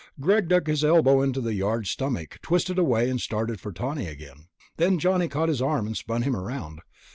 Greg dug his elbow into the guard's stomach, twisted away and started for Tawney again. Then Johnny caught his arm and spun him around.